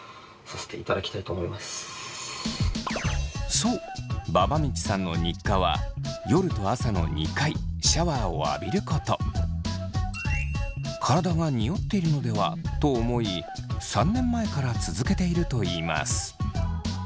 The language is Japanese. そうばばみちさんの日課は体がにおっているのではと思い３年前から続けているといいます。